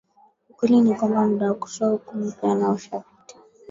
ukweli ni kwamba muda wa kutoa hukumu pia nayo ushapita